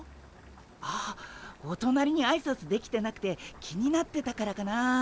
ああおとなりにあいさつできてなくて気になってたからかなあ。